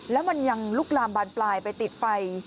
แล้วมันยังลุกลามบานปลายไปติดไฟ